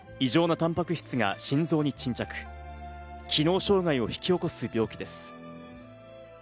異常なタンパク質が心臓に沈着、機能障害を引き起こす病気です。